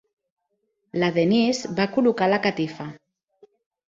La Denise va col·locar la catifa.